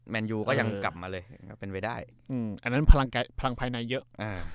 แนนยูก็ยังกลับมาเลยก็เป็นไปได้อันนั้นพลังภายในเยอะ